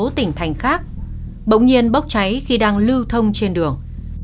và một số tỉnh thành khác bỗng nhiên bốc cháy khi đang lưu thông trên đường